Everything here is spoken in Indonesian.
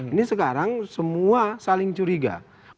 ini sekarang semua saling curiga